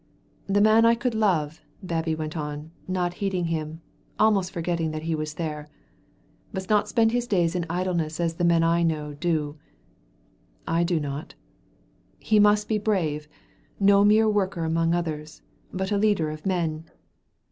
"The man I could love," Babbie went on, not heeding him, almost forgetting that he was there, "must not spend his days in idleness as the men I know do." "I do not." "He must be brave, no mere worker among others, but a leader of men."